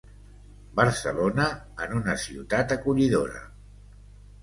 Barcelona en una ciutat acollidora.